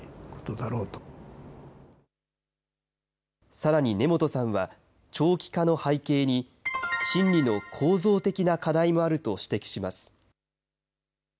さらに根本さんは、長期化の背景に、審理の構造的な課題もあると指摘します。